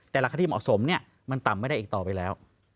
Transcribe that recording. แต่ราคาที่เหมาะสมเนี่ยมันต่ำไม่ได้อีกต่อไปแล้ว